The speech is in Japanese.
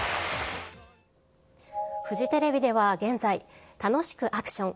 フジテレビでは現在、楽しくアクション！